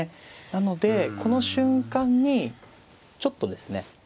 なのでこの瞬間にちょっとですね